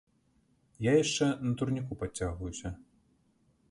Я яшчэ на турніку падцягваюся.